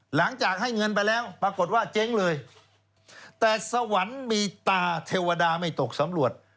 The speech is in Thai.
หลังจากให้เงินไปแล้วปรากฏว่าเจ๊งเลยแต่สวรรค์มีตาเทวดาไม่ตกสำรวจ